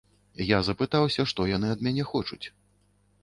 Я запытаўся, што яны ад мяне хочуць.